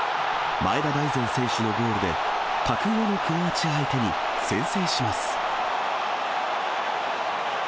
前田大然選手のゴールで、格上のクロアチア相手に先制します。